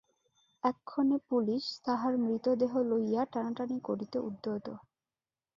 এক্ষণে পুলিস তাহার মৃতদেহ লইয়া টানাটানি করিতে উদ্যত।